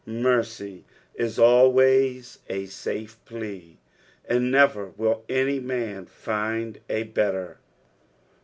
Mercy is always a safe plea, and never will any man find abetter.